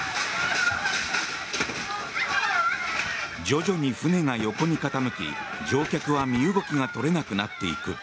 徐々に船が横に傾き、乗客は身動きが取れなくなっていく。